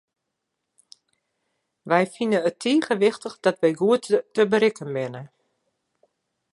Wy fine it tige wichtich dat wy goed te berikken binne.